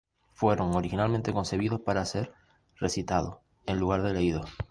Fueron originalmente concebidos para ser recitados, en lugar de leídos.